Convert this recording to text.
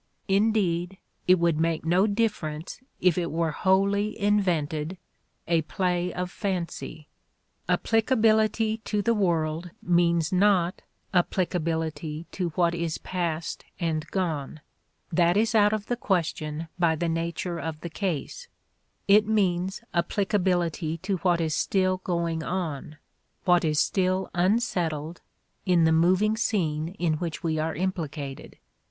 Indeed, it would make no difference if it were wholly invented, a play of fancy. Applicability to the world means not applicability to what is past and gone that is out of the question by the nature of the case; it means applicability to what is still going on, what is still unsettled, in the moving scene in which we are implicated.